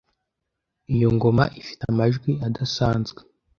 Iyo ngoma ifite amajwi adasanzwe.